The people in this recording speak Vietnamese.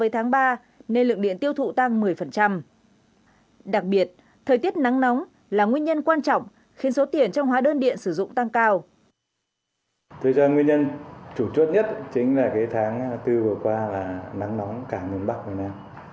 tôi cho nguyên nhân chủ chốt nhất chính là tháng bốn vừa qua là nắng nóng cả miền bắc việt nam